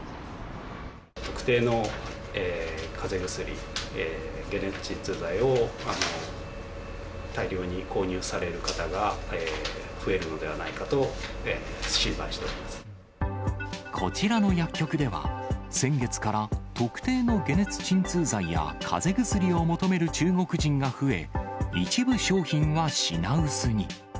特定のかぜ薬、解熱鎮痛剤を大量に購入される方が増えるのではないかと心配してこちらの薬局では、先月から特定の解熱鎮痛剤やかぜ薬を求める中国人が増え、一部商品は品薄に。